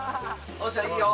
よっしゃいいよ。